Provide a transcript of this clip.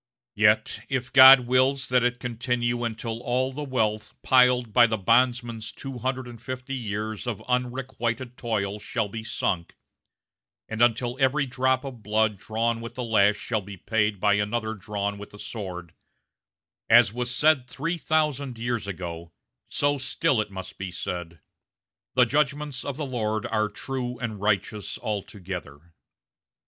Yet, if God wills that it continue until all the wealth piled by the bondman's two hundred and fifty years of unrequited toil shall be sunk, and until every drop of blood drawn with the lash shall be paid by another drawn with the sword, as was said three thousand years ago, so still it must be said, 'The judgments of the Lord are true and righteous altogether.'